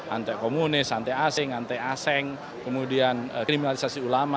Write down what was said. anti komunis anti asing anti aseng kemudian kriminalisasi ulama